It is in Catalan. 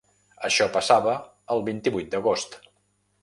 Això passava el vint-i-vuit d’agost.